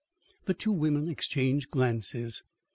The two women exchanged glances.